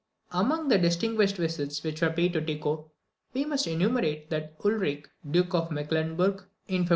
Among the distinguished visits which were paid to Tycho, we must enumerate that of Ulric, Duke of Mecklenburg, in 1586.